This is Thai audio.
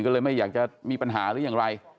ก็เลยไม่อยากจะมีปัญหาหรือยังไร